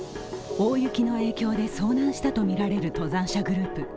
大雪の影響で遭難したとみられる登山者グループ。